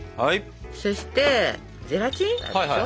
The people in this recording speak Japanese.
そしてゼラチンがあるでしょ。